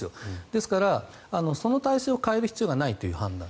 ですから、その態勢を変える必要がないという判断。